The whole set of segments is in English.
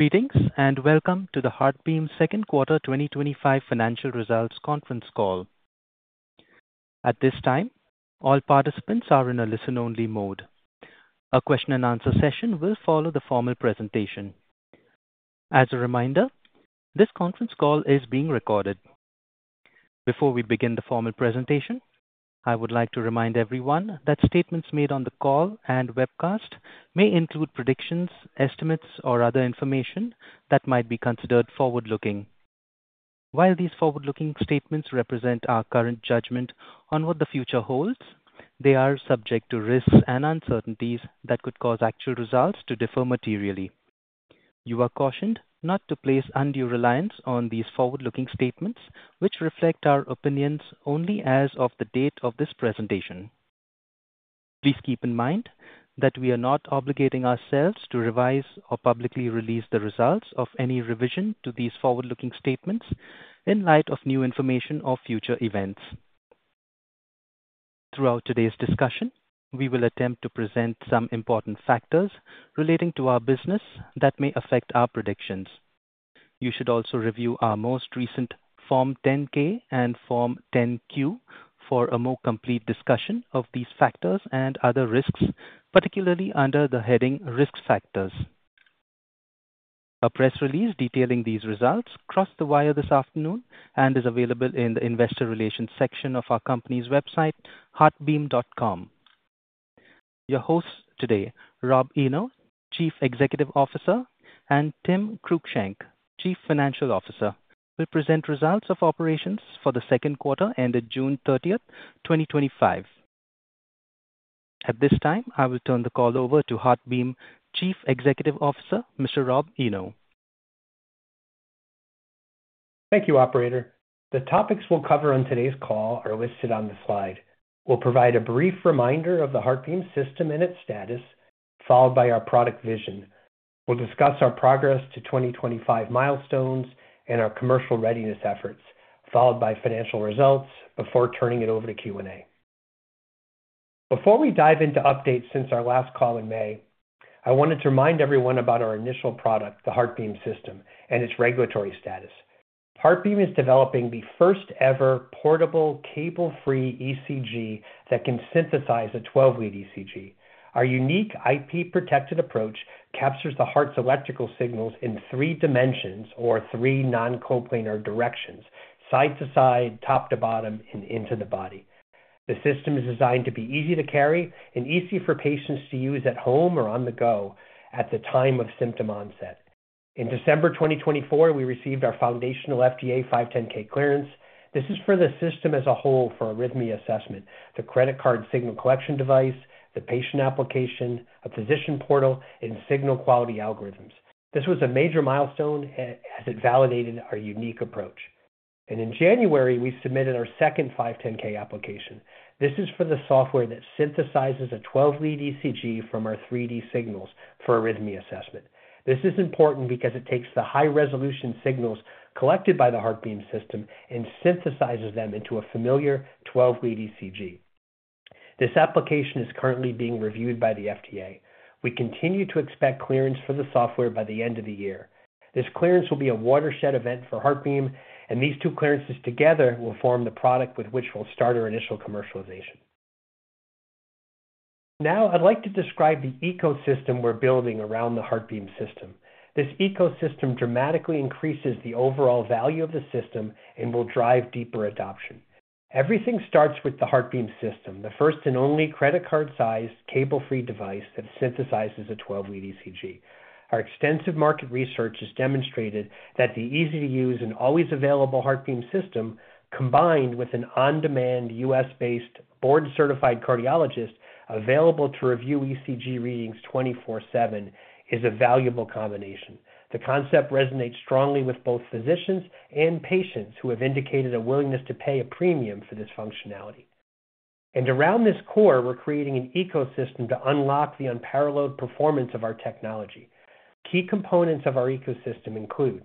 Greetings and welcome to the HeartBeam Second Quarter 2025 Financial Results Conference Call. At this time, all participants are in a listen-only mode. A question-and-answer session will follow the formal presentation. As a reminder, this conference call is being recorded. Before we begin the formal presentation, I would like to remind everyone that statements made on the call and webcast may include predictions, estimates, or other information that might be considered forward-looking. While these forward-looking statements represent our current judgment on what the future holds, they are subject to risks and uncertainties that could cause actual results to differ materially. You are cautioned not to place undue reliance on these forward-looking statements, which reflect our opinions only as of the date of this presentation. Please keep in mind that we are not obligating ourselves to revise or publicly release the results of any revision to these forward-looking statements in light of new information or future events. Throughout today's discussion, we will attempt to present some important factors relating to our business that may affect our predictions. You should also review our most recent Form 10-K and Form 10-Q for a more complete discussion of these factors and other risks, particularly under the heading Risk Factors. A press release detailing these results crossed the wire this afternoon and is available in the Investor Relations section of our company's website, heartbeam.com. Your hosts today, Rob Eno, Chief Executive Officer, and Tim Cruickshank, Chief Financial Officer, will present results of operations for the second quarter ended June 30th, 2025. At this time, I will turn the call over to HeartBeam Chief Executive Officer, Mr. Rob Eno. Thank you, Operator. The topics we'll cover on today's call are listed on the slide. We'll provide a brief reminder of the HeartBeam System and its status, followed by our product vision. We'll discuss our progress to 2025 milestones and our commercial readiness efforts, followed by financial results before turning it over to Q&A. Before we dive into updates since our last call in May, I wanted to remind everyone about our initial product, the HeartBeam System, and its regulatory status. HeartBeam is developing the first-ever portable, cable-free ECG that can synthesize a 12-lead ECG. Our unique IP-protected approach captures the heart's electrical signals in three dimensions, or three non-coplanar directions: side to side, top to bottom, and into the body. The system is designed to be easy to carry and easy for patients to use at home or on the go at the time of symptom onset. In December 2024, we received our foundational FDA 510(k) clearance. This is for the system as a whole for arrhythmia assessment, the credit card signal collection device, the patient application, a physician portal, and signal quality algorithms. This was a major milestone as it validated our unique approach. In January, we submitted our second 510(k) application. This is for the software that synthesizes a 12-lead ECG from our 3D signals for arrhythmia assessment. This is important because it takes the high-resolution signals collected by the HeartBeam System and synthesizes them into a familiar 12-lead ECG. This application is currently being reviewed by the FDA. We continue to expect clearance for the software by the end of the year. This clearance will be a watershed event for HeartBeam, and these two clearances together will form the product with which we'll start our initial commercialization. Now, I'd like to describe the ecosystem we're building around the HeartBeam System. This ecosystem dramatically increases the overall value of the system and will drive deeper adoption. Everything starts with the HeartBeam System, the first and only credit card-sized, cable-free device that synthesizes a 12-lead ECG. Our extensive market research has demonstrated that the easy-to-use and always-available HeartBeam System, combined with an on-demand U.S.-based board-certified cardiologist available to review ECG readings 24/7, is a valuable combination. The concept resonates strongly with both physicians and patients who have indicated a willingness to pay a premium for this functionality. Around this core, we're creating an ecosystem to unlock the unparalleled performance of our technology. Key components of our ecosystem include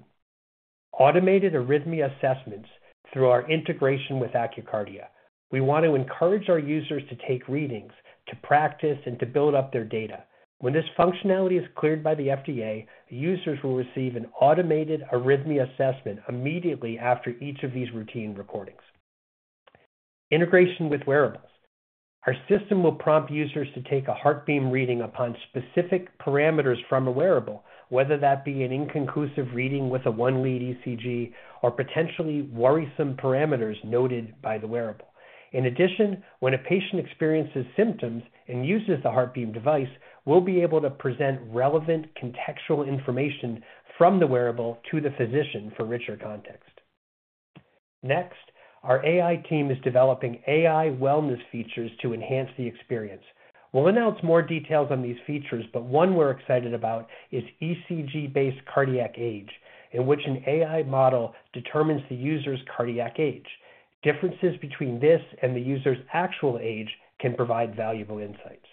automated arrhythmia assessment through our integration with AccurKardia. We want to encourage our users to take readings, to practice, and to build up their data. When this functionality is cleared by the FDA, users will receive an automated arrhythmia assessment immediately after each of these routine recordings. Integration with wearables: our system will prompt users to take a HeartBeam reading upon specific parameters from a wearable, whether that be an inconclusive reading with a one-lead ECG or potentially worrisome parameters noted by the wearable. In addition, when a patient experiences symptoms and uses the HeartBeam device, we'll be able to present relevant contextual information from the wearable to the physician for richer context. Next, our AI team is developing AI-driven wellness features to enhance the experience. We'll announce more details on these features, but one we're excited about is ECG-based cardiac age, in which an AI model determines the user's cardiac age. Differences between this and the user's actual age can provide valuable insights.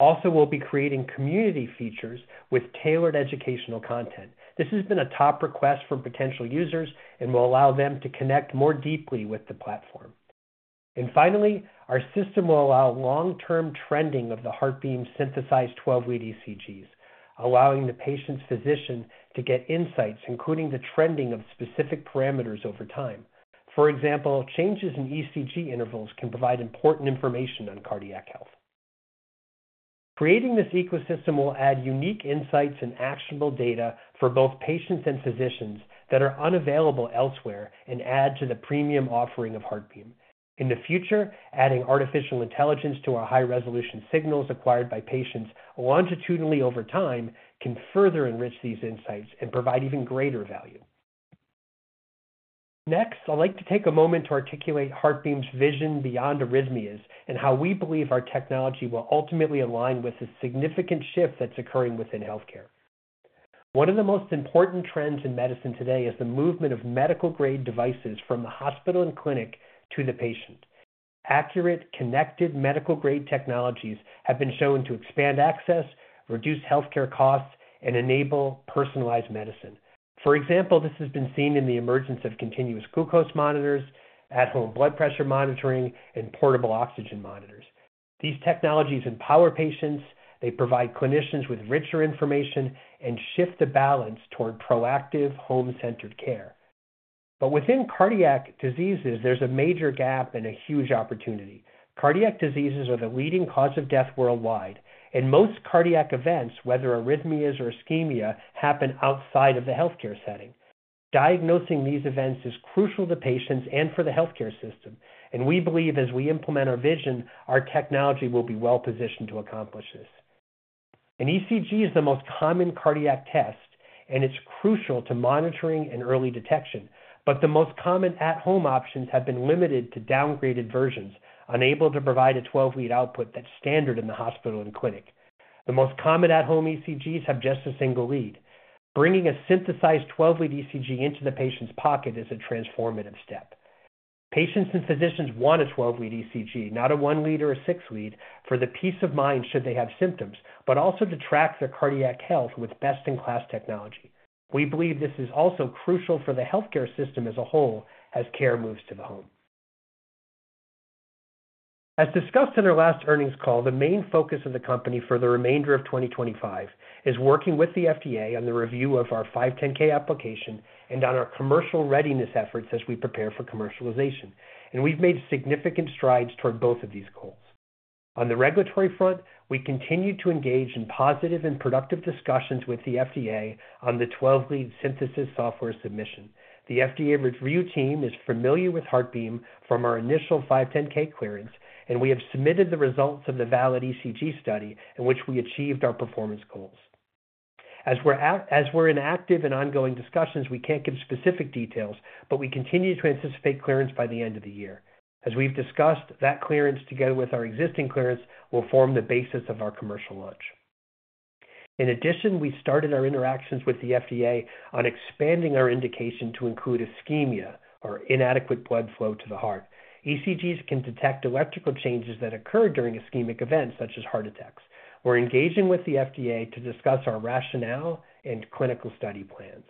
Also, we'll be creating community features with tailored educational content. This has been a top request from potential users and will allow them to connect more deeply with the platform. Finally, our system will allow long-term trending of the HeartBeam synthesized 12-lead ECGs, allowing the patient's physician to get insights, including the trending of specific parameters over time. For example, changes in ECG intervals can provide important information on cardiac health. Creating this ecosystem will add unique insights and actionable data for both patients and physicians that are unavailable elsewhere and add to the premium offering of HeartBeam. In the future, adding artificial intelligence to our high-resolution signals acquired by patients longitudinally over time can further enrich these insights and provide even greater value. Next, I'd like to take a moment to articulate HeartBeam's vision beyond arrhythmias and how we believe our technology will ultimately align with this significant shift that's occurring within healthcare. One of the most important trends in medicine today is the movement of medical-grade devices from the hospital and clinic to the patient. Accurate, connected medical-grade technologies have been shown to expand access, reduce healthcare costs, and enable personalized medicine. For example, this has been seen in the emergence of continuous glucose monitors, at-home blood pressure monitoring, and portable oxygen monitors. These technologies empower patients, they provide clinicians with richer information, and shift the balance toward proactive, home-centered care. Within cardiac diseases, there's a major gap and a huge opportunity. Cardiac diseases are the leading cause of death worldwide, and most cardiac events, whether arrhythmias or ischemia, happen outside of the healthcare setting. Diagnosing these events is crucial to patients and for the healthcare system, and we believe as we implement our vision, our technology will be well-positioned to accomplish this. An ECG is the most common cardiac test, and it's crucial to monitoring and early detection, but the most common at-home options have been limited to downgraded versions, unable to provide a 12-lead output that's standard in the hospital and clinic. The most common at-home ECGs have just a single lead. Bringing a synthesized 12-lead ECG into the patient's pocket is a transformative step. Patients and physicians want a 12-lead ECG, not a one-lead or a six-lead, for the peace of mind should they have symptoms, but also to track their cardiac health with best-in-class technology. We believe this is also crucial for the healthcare system as a whole as care moves to the home. As discussed in our last earnings call, the main focus of the company for the remainder of 2025 is working with the FDA on the review of our 510(k) application and on our commercial readiness efforts as we prepare for commercialization. We have made significant strides toward both of these goals. On the regulatory front, we continue to engage in positive and productive discussions with the FDA on the 12-lead synthesis software submission. The FDA review team is familiar with HeartBeam from our initial 510(k) clearance, and we have submitted the results of the valid ECG study in which we achieved our performance goals. As we're in active and ongoing discussions, we can't give specific details, but we continue to anticipate clearance by the end of the year. As we've discussed, that clearance, together with our existing clearance, will form the basis of our commercial launch. In addition, we started our interactions with the FDA on expanding our indication to include ischemia, or inadequate blood flow to the heart. ECGs can detect electrical changes that occur during ischemic events, such as heart attacks. We're engaging with the FDA to discuss our rationale and clinical study plans.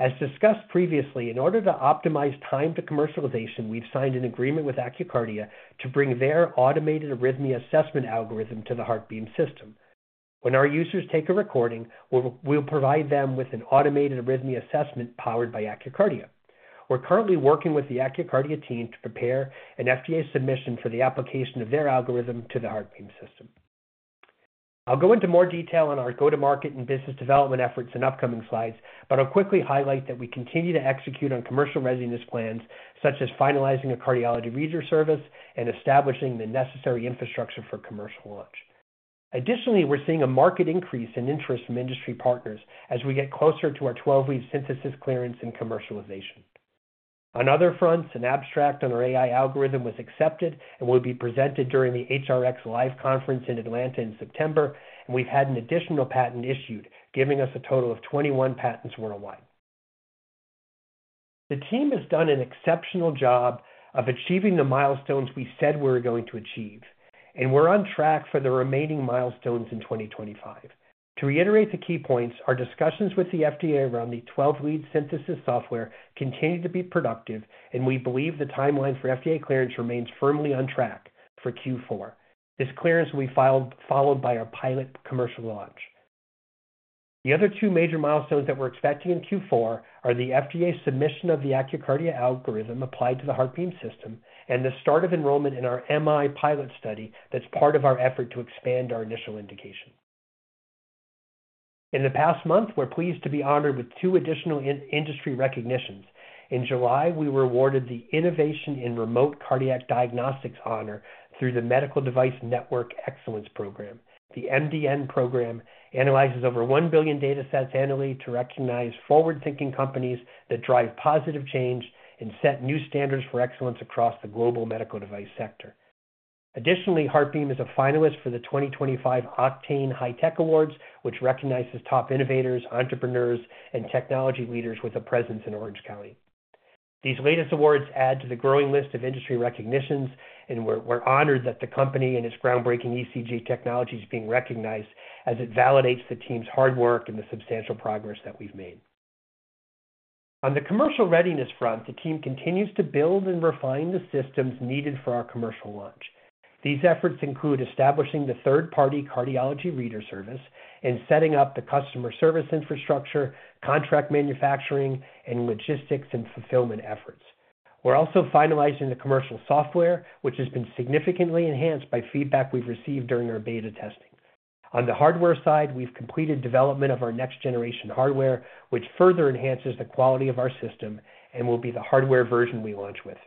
As discussed previously, in order to optimize time to commercialization, we've signed an agreement with AccurKardia to bring their automated arrhythmia assessment algorithm to the HeartBeam System. When our users take a recording, we'll provide them with an automated arrhythmia assessment powered by AccurKardia. We're currently working with the AccurKardia team to prepare an FDA submission for the application of their algorithm to the HeartBeam System. I'll go into more detail on our go-to-market and business development efforts in upcoming slides, but I'll quickly highlight that we continue to execute on commercial readiness plans, such as finalizing a cardiology reader service and establishing the necessary infrastructure for commercial launch. Additionally, we're seeing a marked increase in interest from industry partners as we get closer to our 12-lead synthesis software clearance and commercialization. On other fronts, an abstract on our AI algorithms was accepted and will be presented during the HRX Live conference in Atlanta in September, and we've had an additional patent issued, giving us a total of 21 patents worldwide. The team has done an exceptional job of achieving the milestones we said we were going to achieve, and we're on track for the remaining milestones in 2025. To reiterate the key points, our discussions with the FDA around the 12-lead synthesis software continue to be productive, and we believe the timeline for FDA clearance remains firmly on track for Q4. This clearance will be followed by our pilot commercial launch. The other two major milestones that we're expecting in Q4 are the FDA submission of the AccurKardia algorithm applied to the HeartBeam System and the start of enrollment in our MI pilot study that's part of our effort to expand our initial indication. In the past month, we're pleased to be honored with two additional industry recognitions. In July, we were awarded the Innovation in Remote Cardiac Diagnostics Honor through the Medical Device Network Excellence Program. The MDN program analyzes over 1 billion data sets annually to recognize forward-thinking companies that drive positive change and set new standards for excellence across the global medical device sector. Additionally, HeartBeam is a finalist for the 2025 Octane High Tech Awards, which recognizes top innovators, entrepreneurs, and technology leaders with a presence in Orange County. These latest awards add to the growing list of industry recognitions, and we're honored that the company and its groundbreaking ECG technology is being recognized as it validates the team's hard work and the substantial progress that we've made. On the commercial readiness front, the team continues to build and refine the systems needed for our commercial launch. These efforts include establishing the third-party cardiology reader service and setting up the customer service infrastructure, contract manufacturing, and logistics and fulfillment efforts. We're also finalizing the commercial software, which has been significantly enhanced by feedback we've received during our beta testing. On the hardware side, we've completed development of our next-generation hardware, which further enhances the quality of our system and will be the hardware version we launch with.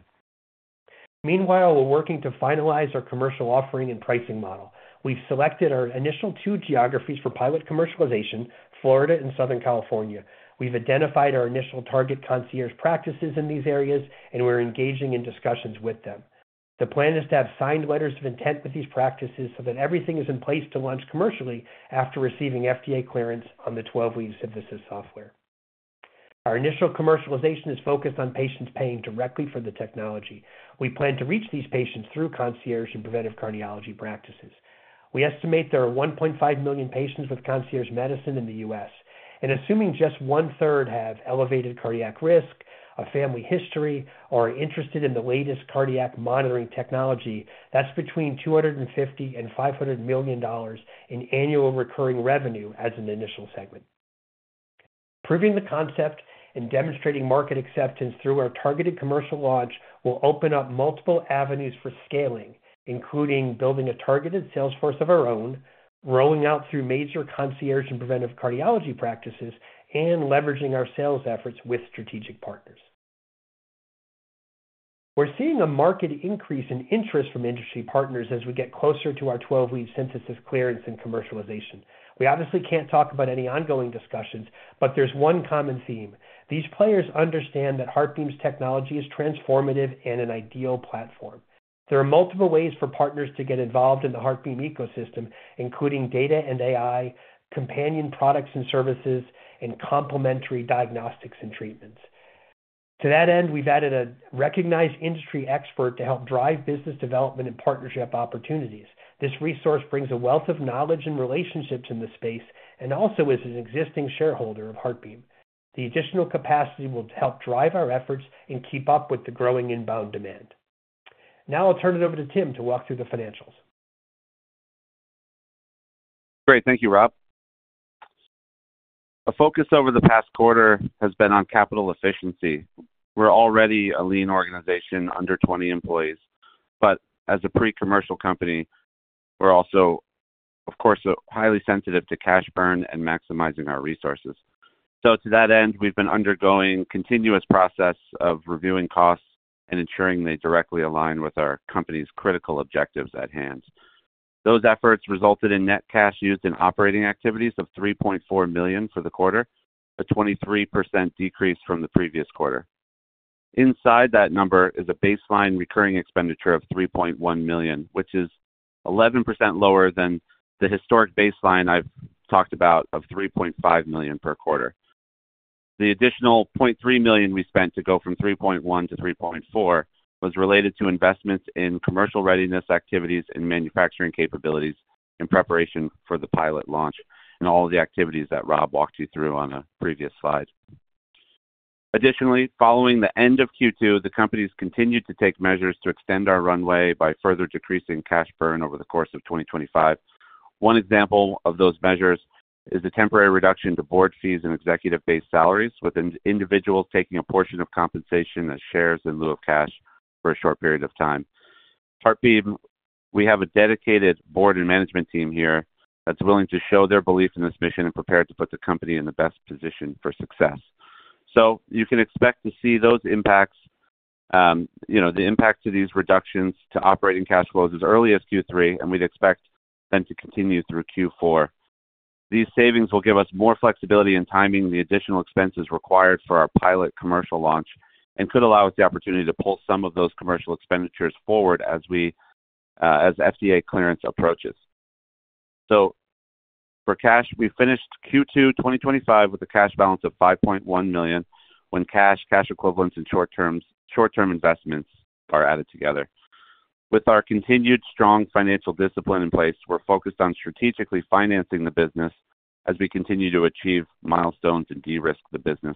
Meanwhile, we're working to finalize our commercial offering and pricing model. We've selected our initial two geographies for pilot commercialization: Florida and Southern California. We've identified our initial target concierge practices in these areas, and we're engaging in discussions with them. The plan is to have signed letters of intent with these practices so that everything is in place to launch commercially after receiving FDA clearance on the 12-lead synthesis software. Our initial commercialization is focused on patients paying directly for the technology. We plan to reach these patients through concierge and preventive cardiology practices. We estimate there are 1.5 million patients with concierge medicine in the U.S., and assuming just one-third have elevated cardiac risk, a family history, or are interested in the latest cardiac monitoring technology, that's between $250 million and $500 million in annual and recurring revenue as an initial segment. Proving the concept and demonstrating market acceptance through our targeted commercial launch will open up multiple avenues for scaling, including building a targeted sales force of our own, rolling out through major concierge and preventive cardiology practices, and leveraging our sales efforts with strategic partners. We're seeing a marked increase in interest from industry partners as we get closer to our 12-lead synthesis software clearance and commercialization. We obviously can't talk about any ongoing discussions, but there's one common theme. These players understand that HeartBeam's technology is transformative and an ideal platform. There are multiple ways for partners to get involved in the HeartBeam ecosystem, including data and AI, companion products and services, and complementary diagnostics and treatments. To that end, we've added a recognized industry expert to help drive business development and partnership opportunities. This resource brings a wealth of knowledge and relationships in the space and also is an existing shareholder of HeartBeam. The additional capacity will help drive our efforts and keep up with the growing inbound demand. Now I'll turn it over to Tim to walk through the financials. Great, thank you, Rob. A focus over the past quarter has been on capital efficiency. We're already a lean organization under 20 employees, but as a pre-commercial company, we're also, of course, highly sensitive to cash burn and maximizing our resources. To that end, we've been undergoing a continuous process of reviewing costs and ensuring they directly align with our company's critical objectives at hand. Those efforts resulted in net cash used in operating activities of $3.4 million for the quarter, a 23% decrease from the previous quarter. Inside that number is a baseline recurring expenditure of $3.1 million, which is 11% lower than the historic baseline I've talked about of $3.5 million per quarter. The additional $0.3 million we spent to go from $3.1 million-$3.4 million was related to investments in commercial readiness activities and manufacturing capabilities in preparation for the pilot launch and all of the activities that Rob walked you through on a previous slide. Additionally, following the end of Q2, the company has continued to take measures to extend our runway by further decreasing cash burn over the course of 2025. One example of those measures is the temporary reduction to board fees and executive-based salaries, with individuals taking a portion of compensation as shares in lieu of cash for a short period of time. At HeartBeam, we have a dedicated board and management team here that's willing to show their belief in this mission and prepared to put the company in the best position for success. You can expect to see the impact to these reductions to operating cash flows as early as Q3, and we'd expect them to continue through Q4. These savings will give us more flexibility in timing the additional expenses required for our pilot commercial launch and could allow us the opportunity to pull some of those commercial expenditures forward as FDA clearance approaches. For cash, we finished Q2 2025 with a cash balance of $5.1 million when cash, cash equivalents, and short-term investments are added together. With our continued strong financial discipline in place, we're focused on strategically financing the business as we continue to achieve milestones and de-risk the business.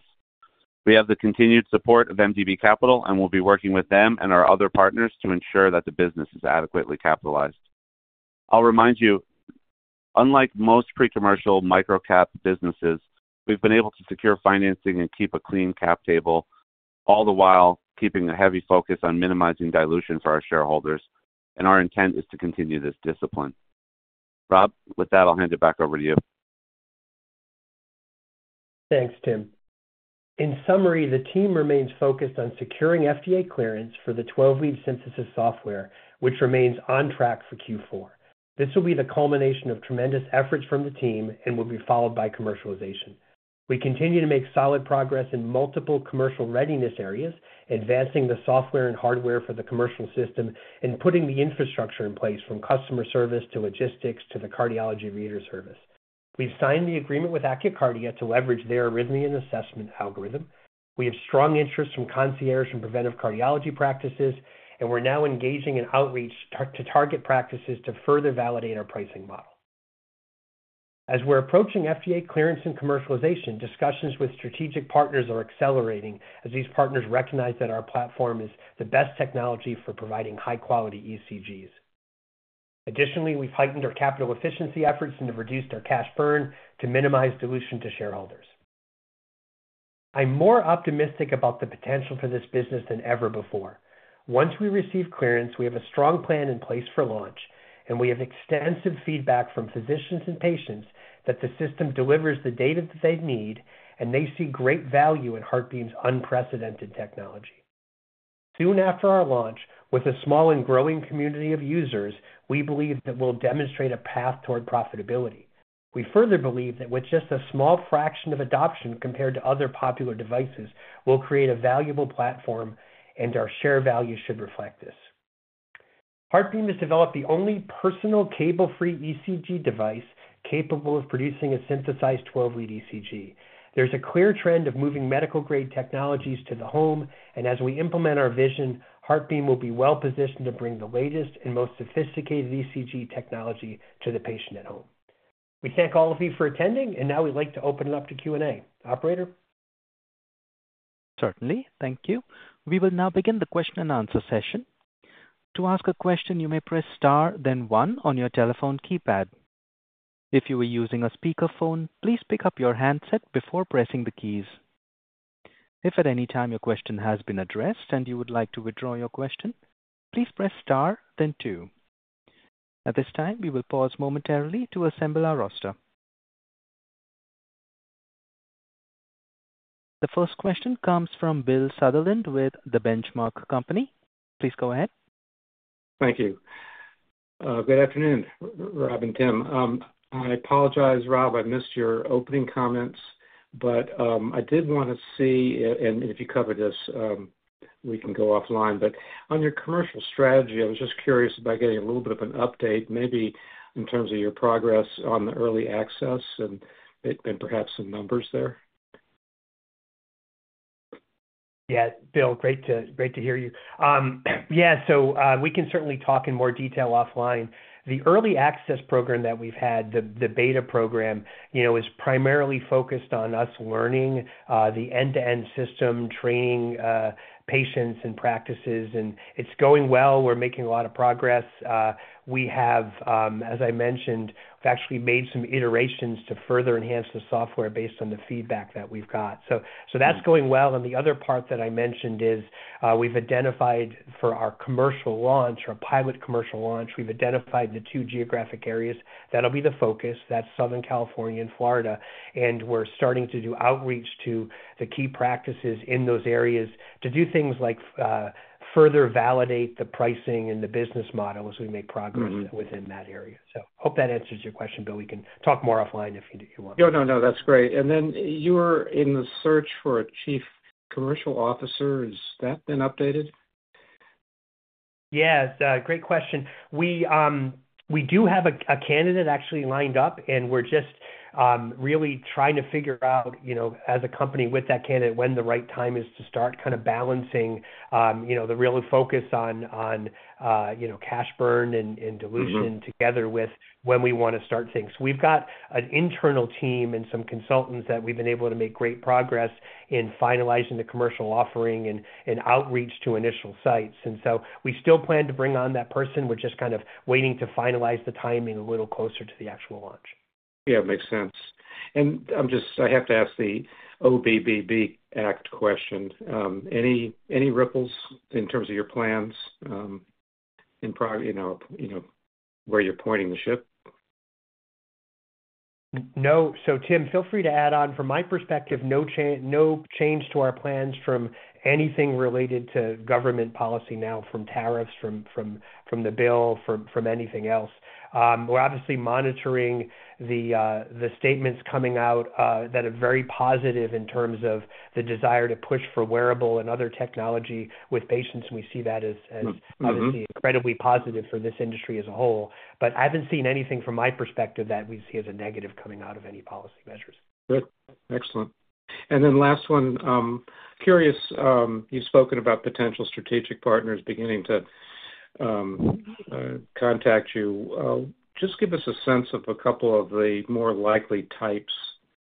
We have the continued support of MDB Capital, and we'll be working with them and our other partners to ensure that the business is adequately capitalized. I'll remind you, unlike most pre-commercial micro-cap businesses, we've been able to secure financing and keep a clean cap table, all the while keeping a heavy focus on minimizing dilution for our shareholders, and our intent is to continue this discipline. Rob, with that, I'll hand it back over to you. Thanks, Tim. In summary, the team remains focused on securing FDA clearance for the 12-lead synthesis software, which remains on track for Q4. This will be the culmination of tremendous efforts from the team and will be followed by commercialization. We continue to make solid progress in multiple commercial readiness areas, advancing the software and hardware for the commercial system, and putting the infrastructure in place from customer service to logistics to the cardiology reader service. We've signed the agreement with AccurKardia to leverage their arrhythmia assessment algorithm. We have strong interest from concierge and preventive cardiology practices, and we're now engaging in outreach to target practices to further validate our pricing model. As we're approaching FDA clearance and commercialization, discussions with strategic partners are accelerating as these partners recognize that our platform is the best technology for providing high-quality ECGs. Additionally, we've heightened our capital efficiency efforts and reduced our cash burn to minimize dilution to shareholders. I'm more optimistic about the potential for this business than ever before. Once we receive clearance, we have a strong plan in place for launch, and we have extensive feedback from physicians and patients that the system delivers the data that they need, and they see great value in HeartBeam's unprecedented technology. Soon after our launch, with a small and growing community of users, we believe that we'll demonstrate a path toward profitability. We further believe that with just a small fraction of adoption compared to other popular devices, we'll create a valuable platform, and our share value should reflect this. HeartBeam has developed the only personal cable-free ECG device capable of producing a synthesized 12-lead ECG. There's a clear trend of moving medical-grade technologies to the home, and as we implement our vision, HeartBeam will be well-positioned to bring the latest and most sophisticated ECG technology to the patient at home. We thank all of you for attending, and now we'd like to open it up to Q&A. Operator? Certainly, thank you. We will now begin the question-and-answer session. To ask a question, you may press star, then one on your telephone keypad. If you are using a speakerphone, please pick up your handset before pressing the keys. If at any time your question has been addressed and you would like to withdraw your question, please press star, then two. At this time, we will pause momentarily to assemble our roster. The first question comes from Bill Sutherland with The Benchmark Company. Please go ahead. Thank you. Good afternoon, Rob and Tim. I apologize, Rob, I missed your opening comments, but I did want to see, and if you cover this, we can go offline. On your commercial strategy, I was just curious about getting a little bit of an update, maybe in terms of your progress on the early access and perhaps some numbers there. Yeah, Bill, great to hear you. We can certainly talk in more detail offline. The early access program that we've had, the beta program, is primarily focused on us learning the end-to-end system, training patients and practices, and it's going well. We're making a lot of progress. As I mentioned, we've actually made some iterations to further enhance the software based on the feedback that we've got. That's going well. The other part that I mentioned is we've identified for our commercial launch, our pilot commercial launch, the two geographic areas that'll be the focus. That's Southern California and Florida, and we're starting to do outreach to the key practices in those areas to do things like further validate the pricing and the business model as we make progress within that area. I hope that answers your question, but we can talk more offline if you want. That's great. You were in the search for a Chief Commercial Officer. Has that been updated? Great question. We do have a candidate actually lined up, and we're just really trying to figure out, you know, as a company with that candidate when the right time is to start kind of balancing the real focus on, you know, cash burn and dilution together with when we want to start things. We've got an internal team and some consultants that we've been able to make great progress in finalizing the commercial offering and outreach to initial sites. We still plan to bring on that person. We're just kind of waiting to finalize the timing a little closer to the actual launch. It makes sense. I have to ask the OBBB Act question. Any ripples in terms of your plans in, you know, where you're pointing the ship? No. Tim, feel free to add on. From my perspective, no change to our plans from anything related to government policy now, from tariffs, from the bill, from anything else. We're obviously monitoring the statements coming out that are very positive in terms of the desire to push for wearable and other technology with patients, and we see that as obviously incredibly positive for this industry as a whole. I haven't seen anything from my perspective that we see as a negative coming out of any policy measures. Excellent. Last one, curious, you've spoken about potential strategic partners beginning to contact you. Just give us a sense of a couple of the more likely types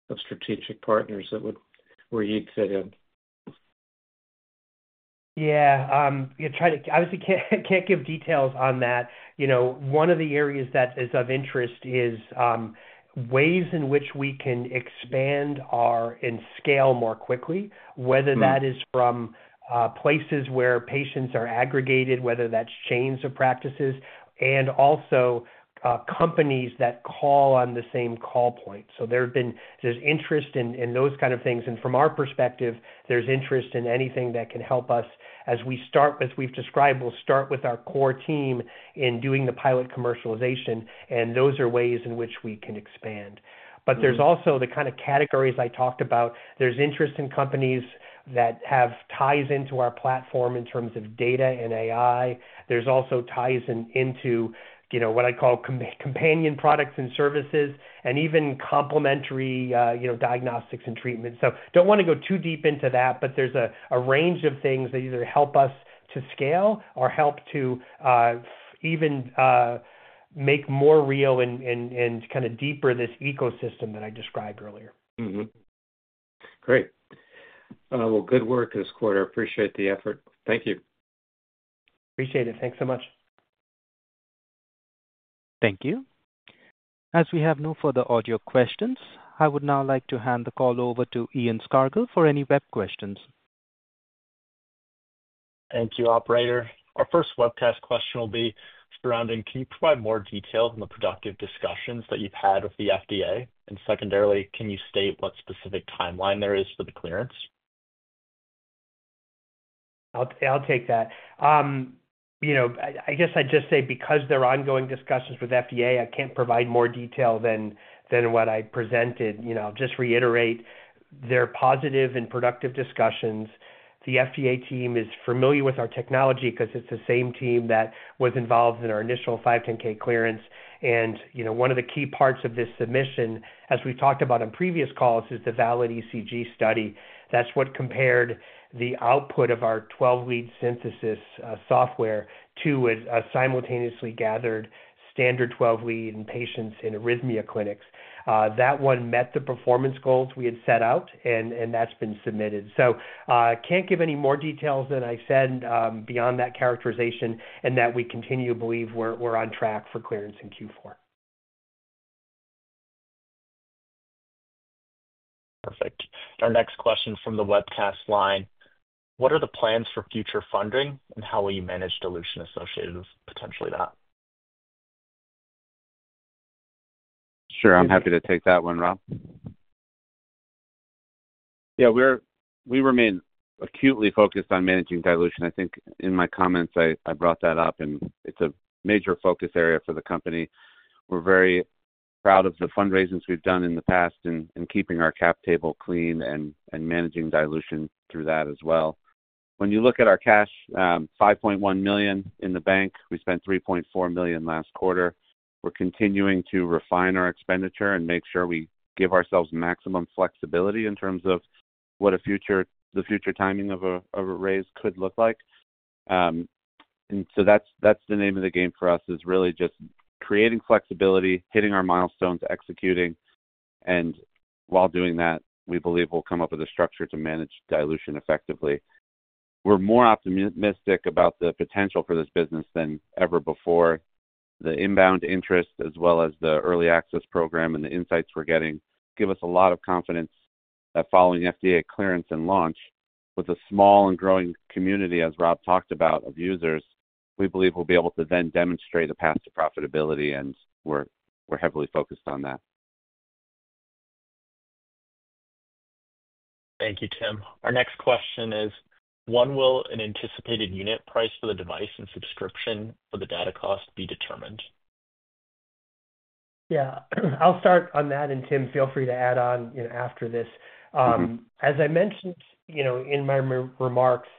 of strategic partners that would where you'd fit in. Yeah, I obviously can't give details on that. One of the areas that is of interest is ways in which we can expand and scale more quickly, whether that is from places where patients are aggregated, whether that's chains of practices, and also companies that call on the same call point. There's interest in those kinds of things. From our perspective, there's interest in anything that can help us. As we start, as we've described, we'll start with our core team in doing the pilot commercialization, and those are ways in which we can expand. There's also the kind of categories I talked about. There's interest in companies that have ties into our platform in terms of data and AI. There's also ties into what I call companion products and services and even complementary diagnostics and treatments. I don't want to go too deep into that, but there's a range of things that either help us to scale or help to even make more real and kind of deeper this ecosystem that I described earlier. Great. Good work this quarter. I appreciate the effort. Thank you. Appreciate it. Thanks so much. Thank you. As we have no further audio questions, I would now like to hand the call over to Ian Scargill for any web questions. Thank you, Operator. Our first webcast question will be surrounding, can you provide more details on the productive discussions that you've had with the FDA? Can you state what specific timeline there is for the clearance? I'll take that. I guess I'd just say because there are ongoing discussions with the FDA, I can't provide more detail than what I presented. I'll just reiterate there are positive and productive discussions. The FDA team is familiar with our technology because it's the same team that was involved in our initial 510(k) clearance. One of the key parts of this submission, as we've talked about on previous calls, is the valid ECG study. That's what compared the output of our 12-lead synthesis software to a simultaneously gathered standard 12-lead in patients in arrhythmia clinics. That one met the performance goals we had set out, and that's been submitted. I can't give any more details than I said beyond that characterization and that we continue to believe we're on track for clearance in Q4. Perfect. Our next question from the webcast line. What are the plans for future funding, and how will you manage dilution associated with potentially that? Sure, I'm happy to take that one, Rob. Yeah, we remain acutely focused on managing dilution. I think in my comments, I brought that up, and it's a major focus area for the company. We're very proud of the fundraisings we've done in the past in keeping our cap table clean and managing dilution through that as well. When you look at our cash, $5.1 million in the bank, we spent $3.4 million last quarter. We're continuing to refine our expenditure and make sure we give ourselves maximum flexibility in terms of what the future timing of a raise could look like. That's the name of the game for us, is really just creating flexibility, hitting our milestones, executing, and while doing that, we believe we'll come up with a structure to manage dilution effectively. We're more optimistic about the potential for this business than ever before. The inbound interest, as well as the early access program and the insights we're getting, give us a lot of confidence that following FDA clearance and launch, with a small and growing community, as Rob talked about, of users, we believe we'll be able to then demonstrate a path to profitability, and we're heavily focused on that. Thank you, Tim. Our next question is, when will an anticipated unit price for the device and subscription for the data cost be determined? Yeah, I'll start on that, and Tim, feel free to add on after this. As I mentioned in my remarks,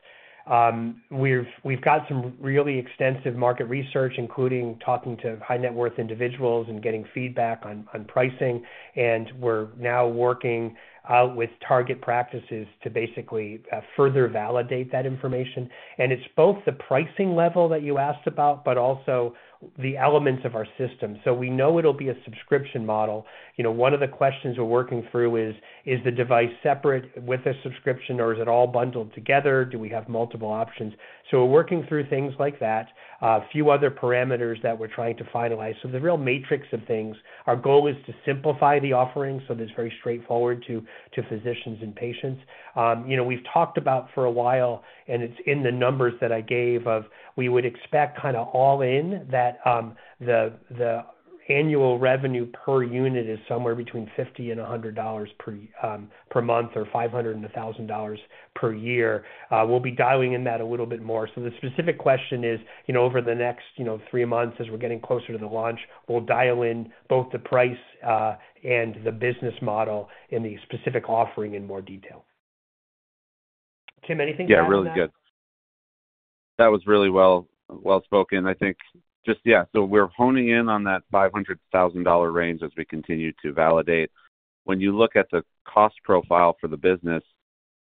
we've got some really extensive market research, including talking to high-net-worth individuals and getting feedback on pricing, and we're now working out with target practices to basically further validate that information. It's both the pricing level that you asked about, but also the elements of our system. We know it'll be a subscription model. One of the questions we're working through is, is the device separate with a subscription, or is it all bundled together? Do we have multiple options? We're working through things like that, a few other parameters that we're trying to finalize. The real matrix of things, our goal is to simplify the offering so that it's very straightforward to physicians and patients. We've talked about for a while, and it's in the numbers that I gave of we would expect kind of all in that the annual revenue per unit is somewhere between $50 and $100 per month or $500 and $1,000 per year. We'll be dialing in that a little bit more. The specific question is, over the next three months, as we're getting closer to the launch, we'll dial in both the price and the business model and the specific offering in more detail. Tim, anything to add? Yeah, really good. That was really well spoken. I think just, yeah, so we're honing in on that $500-$1000 range as we continue to validate. When you look at the cost profile for the business,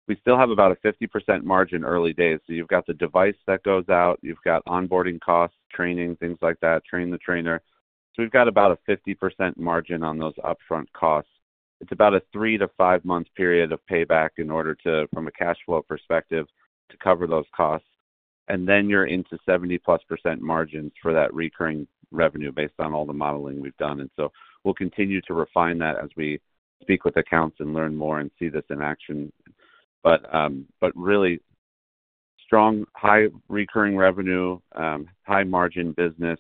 we still have about a 50% margin early days. You've got the device that goes out, you've got onboarding costs, training, things like that, train the trainer. We've got about a 50% margin on those upfront costs. It's about a three to five months period of payback in order to, from a cash flow perspective, to cover those costs. You're into 70%+ margin for that recurring revenue based on all the modeling we've done. We will continue to refine that as we speak with accounts and learn more and see this in action. Really, strong, high recurring revenue, high margin business,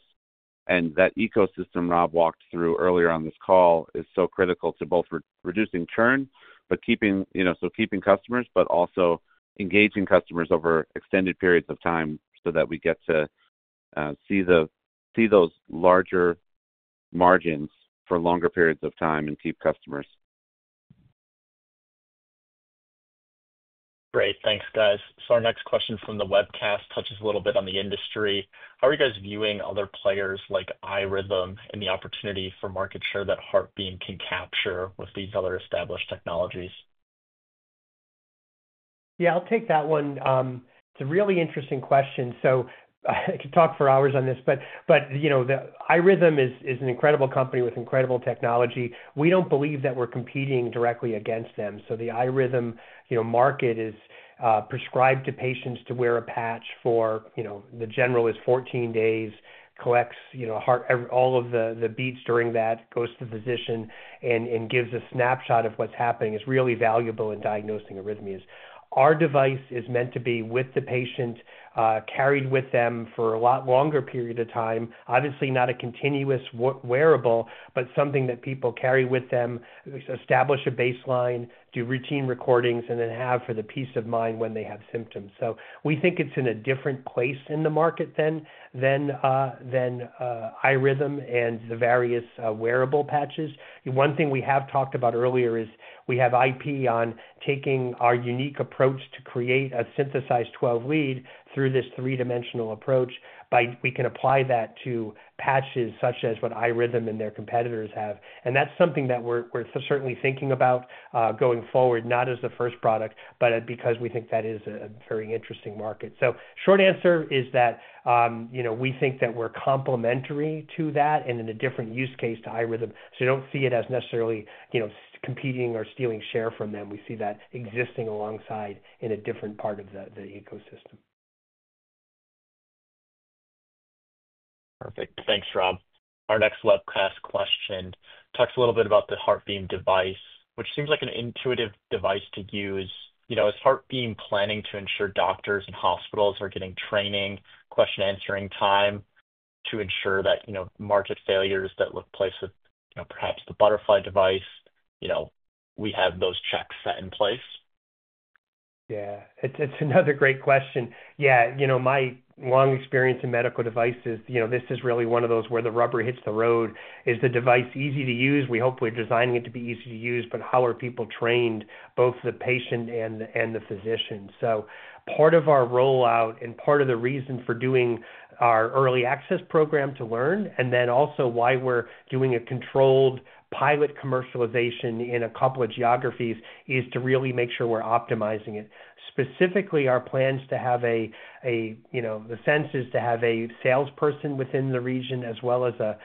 and that ecosystem Rob walked through earlier on this call is so critical to both reducing churn, but keeping, you know, so keeping customers, but also engaging customers over extended periods of time so that we get to see those larger margins for longer periods of time and keep customers. Great, thanks guys. Our next question from the webcast touches a little bit on the industry. How are you guys viewing other players like iRhythm and the opportunity for market share that HeartBeam can capture with these other established technologies? Yeah, I'll take that one. It's a really interesting question. I could talk for hours on this, but you know, the iRhythm is an incredible company with incredible technology. We don't believe that we're competing directly against them. The iRhythm market is prescribed to patients to wear a patch for, you know, the general is 14 days, collects, you know, all of the beats during that, goes to the physician and gives a snapshot of what's happening. It's really valuable in diagnosing arrhythmias. Our device is meant to be with the patient, carried with them for a lot longer period of time. Obviously, not a continuous wearable, but something that people carry with them, establish a baseline, do routine recordings, and then have for the peace of mind when they have symptoms. We think it's in a different place in the market than iRhythm and the various wearable patches. One thing we have talked about earlier is we have IP on taking our unique approach to create a synthesized 12-lead through this three-dimensional approach. We can apply that to patches such as what iRhythm and their competitors have. That's something that we're certainly thinking about going forward, not as the first product, but because we think that is a very interesting market. Short answer is that, you know, we think that we're complementary to that and in a different use case to iRhythm. You don't see it as necessarily, you know, competing or stealing share from them. We see that existing alongside in a different part of the ecosystem. Perfect. Thanks, Rob. Our next webcast question talks a little bit about the HeartBeam device, which seems like an intuitive device to use. Is HeartBeam planning to ensure doctors and hospitals are getting training, question answering time to ensure that market failures that took place with, you know, perhaps the Butterfly device, we have those checks set in place? Yeah, it's another great question. You know, my long experience in medical devices, this is really one of those where the rubber hits the road. Is the device easy to use? We hope we're designing it to be easy to use, but how are people trained, both the patient and the physician? Part of our rollout and part of the reason for doing our early access program is to learn, and also why we're doing a controlled pilot commercialization in a couple of geographies is to really make sure we're optimizing it. Specifically, our plans are to have a salesperson within the region as well as a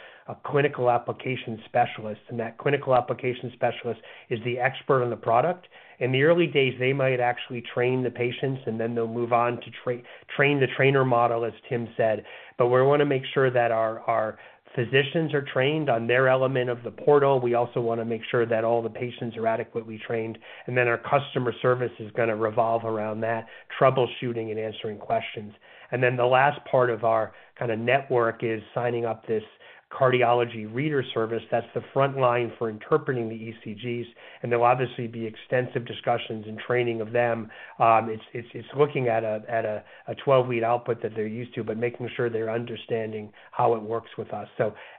Clinical Application Specialist. That Clinical Application Specialist is the expert on the product. In the early days, they might actually train the patients, and then they'll move on to a train the trainer model, as Tim said. We want to make sure that our physicians are trained on their element of the portal. We also want to make sure that all the patients are adequately trained. Our customer service is going to revolve around that, troubleshooting and answering questions. The last part of our kind of network is signing up this cardiology reader service. That's the front line for interpreting the ECGs. There will obviously be extensive discussions and training of them. It's looking at a 12-lead output that they're used to, but making sure they're understanding how it works with us.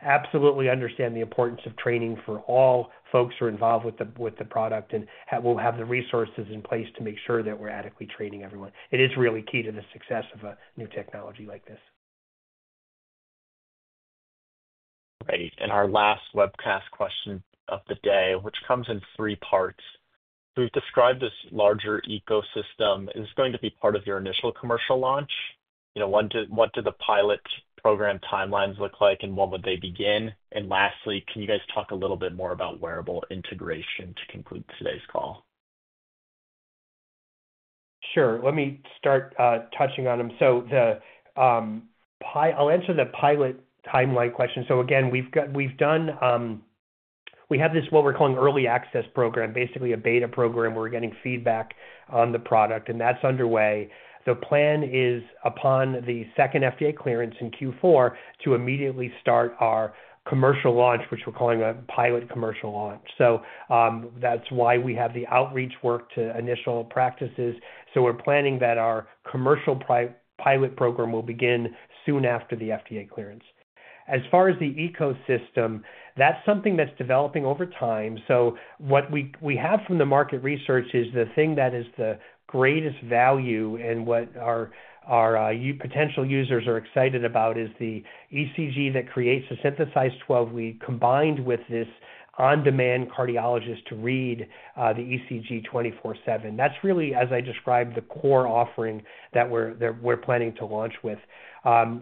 Absolutely understand the importance of training for all folks who are involved with the product, and we'll have the resources in place to make sure that we're adequately training everyone. It is really key to the success of a new technology like this. Great. Our last webcast question of the day comes in three parts. We've described this larger ecosystem. Is this going to be part of your initial commercial launch? What do the pilot program timelines look like, and when would they begin? Lastly, can you guys talk a little bit more about wearables integration to conclude today's call? Sure, let me start touching on them. I'll answer the pilot timeline question. We've done what we're calling the early access program, basically a beta program where we're getting feedback on the product, and that's underway. The plan is upon the second FDA clearance in Q4 to immediately start our commercial launch, which we're calling a pilot commercial launch. That's why we have the outreach work to initial practices. We're planning that our commercial pilot program will begin soon after the FDA clearance. As far as the ecosystem, that's something that's developing over time. What we have from the market research is the thing that is the greatest value and what our potential users are excited about is the ECG that creates a synthesized 12-lead combined with this on-demand cardiologist to read the ECG 24/7. That's really, as I described, the core offering that we're planning to launch with.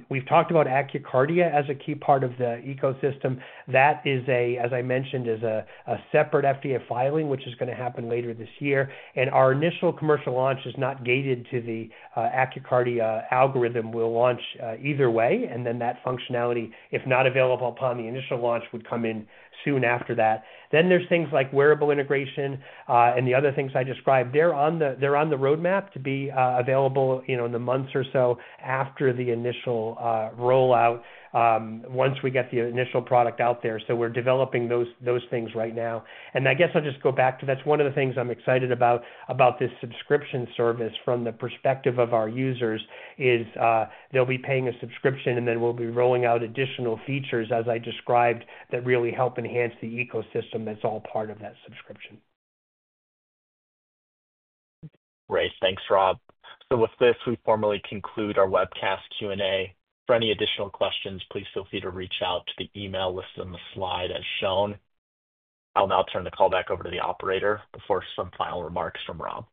We've talked about AccurKardia as a key part of the ecosystem. That is, as I mentioned, a separate FDA filing, which is going to happen later this year. Our initial commercial launch is not gated to the AccurKardia algorithm. We'll launch either way, and then that functionality, if not available upon the initial launch, would come in soon after that. There are things like wearables integration and the other things I described. They're on the roadmap to be available in the months or so after the initial rollout, once we get the initial product out there. We're developing those things right now. I'll just go back to that's one of the things I'm excited about about this subscription service from the perspective of our users. They'll be paying a subscription, and then we'll be rolling out additional features, as I described, that really help enhance the ecosystem that's all part of that subscription. Great, thanks, Rob. With this, we formally conclude our webcast Q&A. For any additional questions, please feel free to reach out to the email listed on the slide as shown. I'll now turn the call back over to the Operator before some final remarks from Rob.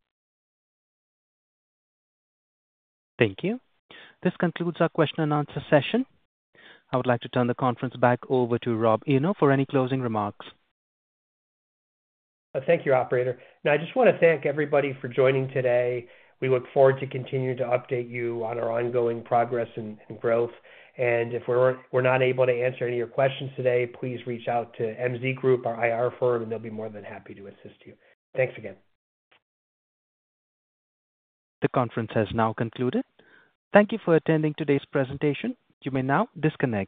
Thank you. This concludes our question-and-answer session. I would like to turn the conference back over to Rob Eno for any closing remarks. Thank you, Operator. I just want to thank everybody for joining today. We look forward to continuing to update you on our ongoing progress and growth. If we're not able to answer any of your questions today, please reach out to MZ Group, our IR firm, and they'll be more than happy to assist you. Thanks again. The conference has now concluded. Thank you for attending today's presentation. You may now disconnect.